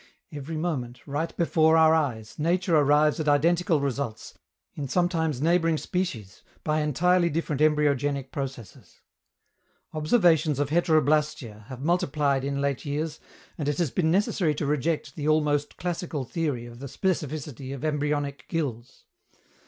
Every moment, right before our eyes, nature arrives at identical results, in sometimes neighboring species, by entirely different embryogenic processes. Observations of "heteroblastia" have multiplied in late years, and it has been necessary to reject the almost classical theory of the specificity of embryonic gills.